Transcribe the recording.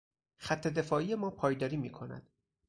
خط دفاعی ما پایداری میکند.